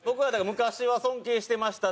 「昔はしてました」？